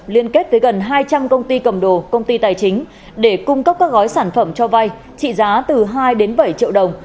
liên kết với gần hai trăm linh công ty cầm đồ công ty tài chính để cung cấp các gói sản phẩm cho vay trị giá từ hai đến bảy triệu đồng